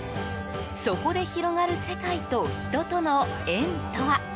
そこで広がる世界と人との縁とは？